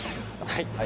はい。